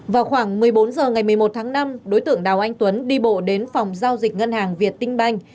vào khoảng một mươi bốn h ngày một mươi một tháng năm đối tượng đào anh tuấn đi bộ đến phòng giao dịch ngân hàng việt tinh banh